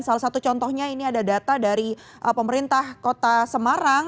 salah satu contohnya ini ada data dari pemerintah kota semarang